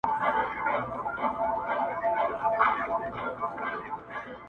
چي مطلب ته په رسېږي هغه وايي٫